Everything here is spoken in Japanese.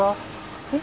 えっ？